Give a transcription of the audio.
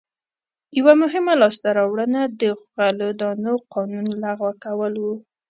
یوه مهمه لاسته راوړنه د غلو دانو قانون لغوه کول و.